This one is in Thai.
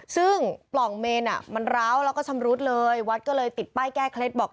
ซึ่งปล่องเมนอ่ะมันร้าวแล้วก็ชำรุดเลยวัดก็เลยติดป้ายแก้เคล็ดบอก